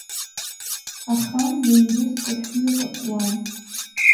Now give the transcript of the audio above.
Ахан иа иҩызцәа шәҩык акуан.